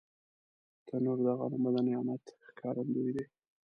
تنور د غنمو د نعمت ښکارندوی دی